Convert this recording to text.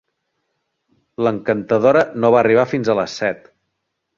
L'encantadora no va arribar fins a les set.